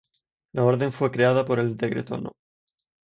La orden fue creada por el Decreto No.